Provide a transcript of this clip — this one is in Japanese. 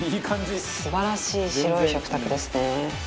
素晴らしい白い食卓ですね。